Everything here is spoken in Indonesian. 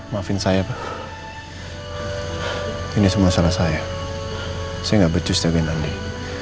maafin saya pak ini semua salah saya saya gak becus jagain andin